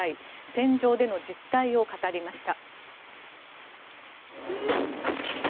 戦場での実態を語りました。